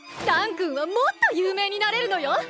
蘭君はもっと有名になれるのよ！